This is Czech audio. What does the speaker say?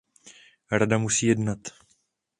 Rada musí jednat.